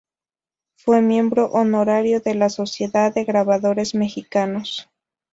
Fue miembro honorario de la Sociedad de Grabadores Mexicanos.